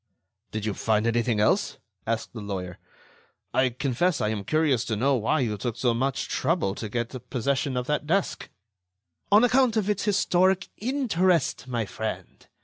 "Did you find anything else?" asked the lawyer. "I confess I am curious to know why you took so much trouble to get possession of that desk." "On account of its historic interest, my friend.